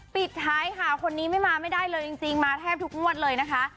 ปิดท้ายค่ะคนนี้ไม่มาไม่ได้เลยจริงมาแทบทุกงวดเลยนะคะ